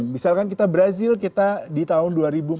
misalkan kita brazil kita di tahun dua ribu empat belas